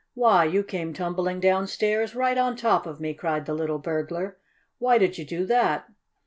Why, you came tumbling downstairs right on top of me!" cried the little burglar. "Why did you do that?"